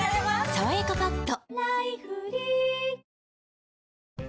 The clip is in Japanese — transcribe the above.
「さわやかパッド」